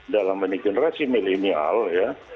dalam ini generasi milenial ya